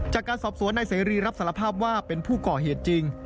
จากการสอบสวนนายเสรีรับสารภาพว่าเป็นผู้ก่อเหตุจริง